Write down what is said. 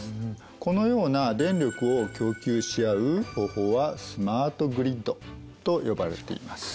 このような電力を供給し合う方法はスマートグリッドと呼ばれています。